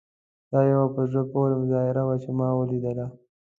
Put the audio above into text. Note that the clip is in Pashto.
دا یوه په زړه پورې مظاهره وه چې ما ولیدله.